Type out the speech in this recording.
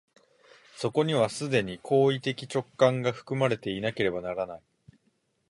そこには既に行為的直観が含まれていなければならない。